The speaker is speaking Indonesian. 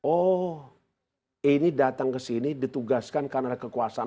oh ini datang ke sini ditugaskan karena kekuasaan